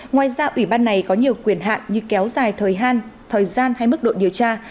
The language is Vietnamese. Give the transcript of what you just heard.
ngoài ra ủy ban này có nhiều quyền hạn như kéo dài thời gian thời gian hay mức độ điều tra